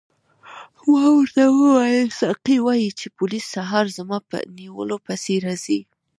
ما ورته وویل ساقي وایي چې پولیس سهار زما په نیولو پسې راځي.